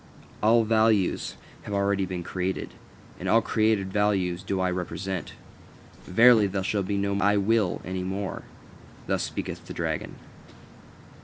All values have already been created, and all created values do I represent. Verily, there shall be no 'I will' any more." Thus speaketh the dragon.